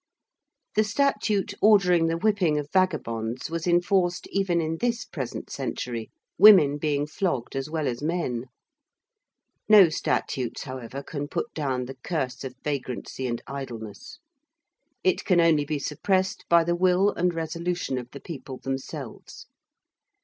The statute ordering the whipping of vagabonds was enforced even in this present century, women being flogged as well as men. No statutes, however, can put down the curse of vagrancy and idleness. It can only be suppressed by the will and resolution of the people themselves.